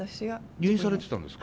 入院されてたんですか？